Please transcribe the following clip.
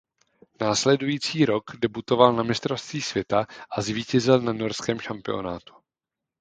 Následující rok debutoval na Mistrovství světa a zvítězil na norském šampionátu.